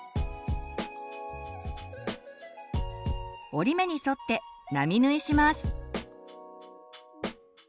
折り目に沿って並縫いします。